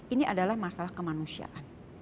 ini adalah masalah kemanusiaan